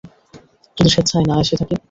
যদি স্বেচ্ছায় না এসে থাকি?